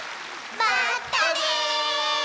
まったね！